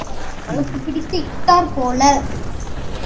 வழக்கு பிடித்து இட்டாற் போல.